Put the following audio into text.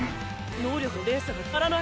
能力の連鎖が止まらない。